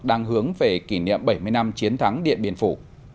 đang hướng về kỷ niệm bảy mươi năm chiến thắng điện biên phủ